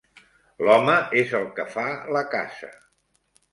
L'home es el que fa la casa